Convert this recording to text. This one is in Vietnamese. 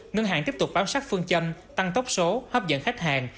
ngân hàng tiếp tục bám sát phương châm tăng tốc số hấp dẫn khách hàng